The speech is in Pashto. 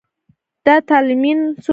دا طالېمن څوک دی.